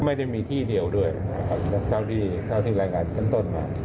ไม่ได้มีที่เดียวด้วยเท่าที่แรกงานกันต้นมา